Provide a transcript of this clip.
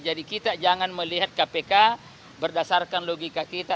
jadi kita jangan melihat kpk berdasarkan logika kita